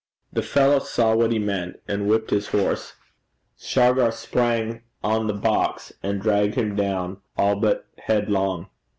The fellow saw what he meant, and whipped his horse. Shargar sprung on the box, and dragged him down all but headlong.